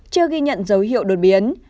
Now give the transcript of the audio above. chưa ghi nhận dấu hiệu đột biến